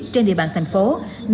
trên địa bàn thành phố hồ chí minh